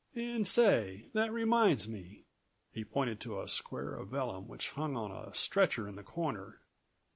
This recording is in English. "And, say, that reminds me," he pointed to a square of vellum which hung on a stretcher in the corner.